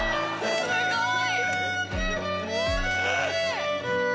すごい！